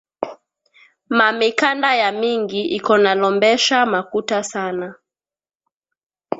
Ma mikanda ya mingi iko na lombesha makuta sana